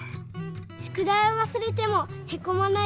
しゅくだいをわすれてもへこまないところです。